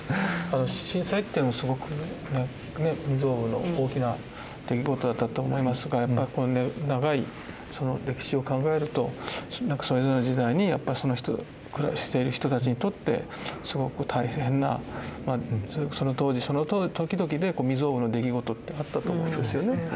震災っていうのもすごく未曽有の大きな出来事だったと思いますがやっぱりこうね長いその歴史を考えるとそれぞれの時代にやっぱり暮らしている人たちにとってすごく大変なその当時その時々で未曽有の出来事ってあったと思うんですよね。